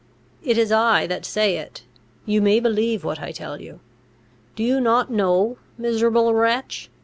It is I that say it; you may believe what I tell you Do you not know, miserable wretch!"